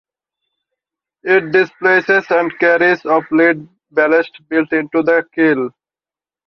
It displaces and carries of lead ballast built into the keel.